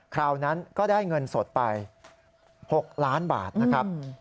คราวนั้นก็ได้เงินสดไป๖ล้านบาทนะครับ